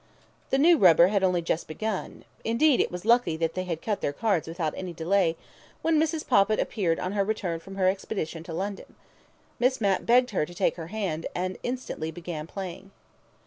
The new rubber had only just begun (indeed, it was lucky that they cut their cards without any delay) when Mrs. Poppit appeared on her return from her expedition to London. Miss Mapp begged her to take her hand, and instantly began playing.